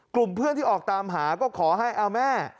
กลุ่มเพื่อนที่ออกตามหาก็ขอให้เอาแม่